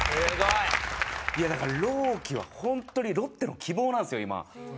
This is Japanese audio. いやだから朗希は本当にロッテの希望なんですよ今。